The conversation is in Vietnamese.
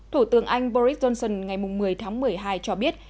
thủ tướng anh boris johnson ngày một mươi tháng một mươi hai cho biết